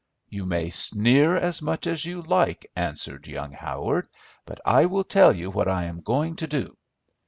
"You may sneer as much as you like," answered young Howard, "but I will tell you what I am going to do.